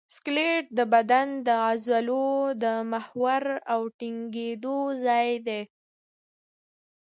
سکلیټ د بدن د عضلو د محور او ټینګېدو ځای دی.